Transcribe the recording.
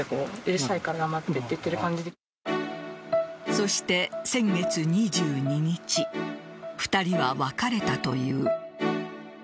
そして先月２２日２人は別れたという。